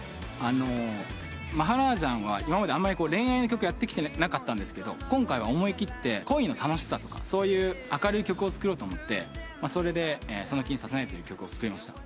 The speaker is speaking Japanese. マハラージャンは今まであんまり恋愛の曲やってきてなかったんですが今回は思い切って恋の楽しさとかそういう明るい曲を作ろうと思ってそれで『その気にさせないで』を作りました。